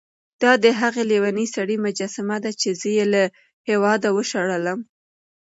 دا د هغه لېوني سړي مجسمه ده چې زه یې له هېواده وشړلم.